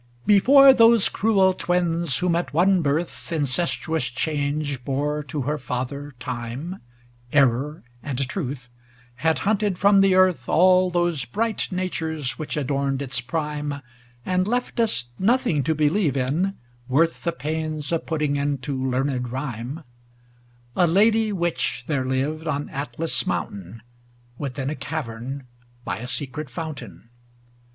Before those cruel Twins, whom at one birth Incestuous Change bore to her father Time, Error and Truth, had hunted from tlie earth All those bright natures which adorned its prime, And left us nothing to believe in, worth The pains of putting into learned rhyme, A Lady Witch there lived on Atlas' moun tain Within a cavern by a secret fountain.